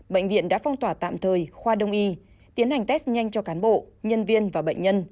bệnh viện đã phong tỏa tạm thời khoa đông y tiến hành test nhanh cho cán bộ nhân viên và bệnh nhân